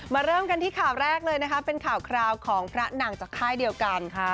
เริ่มกันที่ข่าวแรกเลยนะคะเป็นข่าวคราวของพระหนังจากค่ายเดียวกันค่ะ